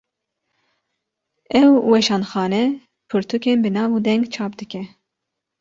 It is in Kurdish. Ev weşanxane, pirtûkên bi nav û deng çap dike